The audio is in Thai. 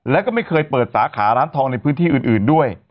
แล้วก็ไม่เคยเปิดสาขาร้านทองในพื้นที่อื่นด้วย